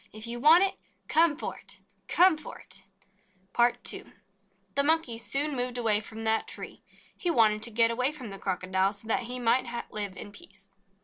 If you want it, come for it, come for it !" PART II THE Monkey soon moved away from that tree. He wanted to get away from the Crocodile, so that he might live in peace.